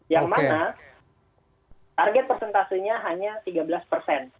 yang mana target persentasenya hanya rp tiga